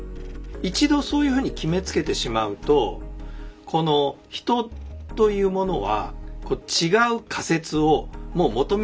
一度そういうふうに決めつけてしまうと人というものは違う仮説をもう求めなくなるんですね。